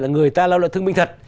là người ta lao động thương binh thật